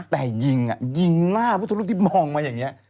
แต่ยิงหน้าพระพุทธรูปที่มองมาอย่างเนี่ย